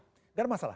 gak ada masalah